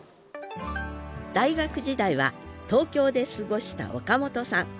大学時代は東京で過ごした岡本さん。